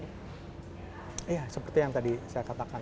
iya seperti yang tadi saya katakan